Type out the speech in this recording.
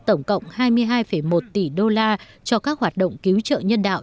tổng cộng hai mươi hai một tỷ đô la cho các hoạt động cứu trợ nhân đạo